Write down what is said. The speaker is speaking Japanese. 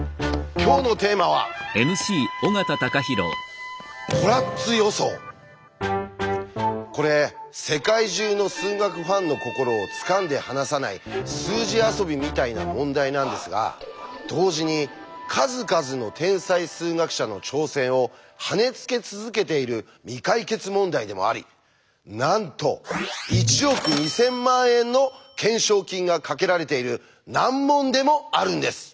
今日のテーマはこれ世界中の数学ファンの心をつかんで離さない数字遊びみたいな問題なんですが同時に数々の天才数学者の挑戦をはねつけ続けている未解決問題でもありなんと１億２０００万円の懸賞金がかけられている難問でもあるんです！